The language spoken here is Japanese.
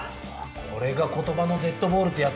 これが言葉のデッドボールってやつか！